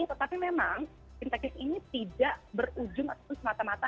tetapi memang fintechnis ini tidak berujung atau semata mata